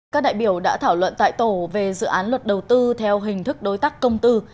các đại biểu đã thảo luận tại tổ về dự án luật đầu tư theo hình thức đối tác công tư